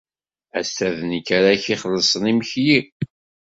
Ass-a d nekk ara ak-ixellṣen imekli.